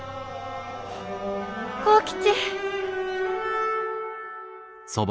幸吉！